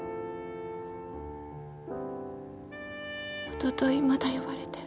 おとといまた呼ばれて。